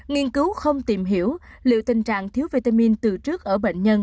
nghiên cứu không tìm hiểu liệu tình trạng thiếu vitamin từ trước ở bệnh nhân